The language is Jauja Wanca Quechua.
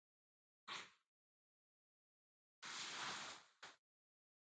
Pukaśhnila pukyukunakaq pukutyapaakunmi.